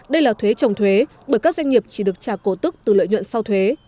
đây là thuế trồng thuế bởi các doanh nghiệp chỉ được trả cổ tức từ lợi nhuận sau thuế